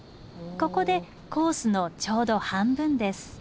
ここでコースのちょうど半分です。